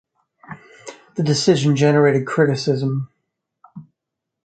The decision generated criticism.